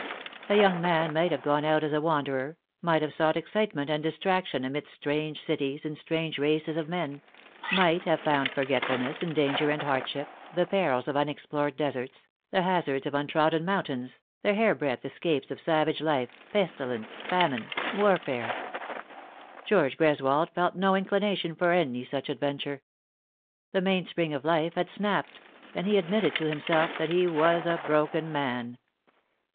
A young man might have gone out as a wanderer might have sought excitement and distraction amidst strange cities and strange races of men ; might have found f orgetf ulness in danger and hardship, the perils of unexplored deserts, the hazards of untrodden mountains, the hairbreadth escapes of savage life, pestilence, famine, warfare. George Greswold felt no inclina tion for any such adventure. The mainspring of life hud snapped, and he admitted to himself that he was a broken man.